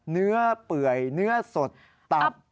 เนื้อเปื่อยเนื้อสดตับ